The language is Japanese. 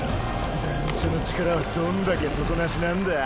団ちょの力はどんだけ底なしなんだぁ？